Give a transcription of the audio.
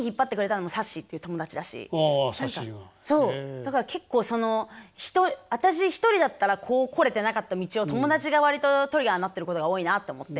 だから結構その私一人だったらこう来れてなかった道を友達が割とトリガーになってることが多いなって思って。